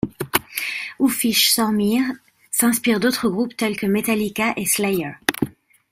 Ufych Sormeer s'inspire d'autres groupes tels que Metallica et Slayer.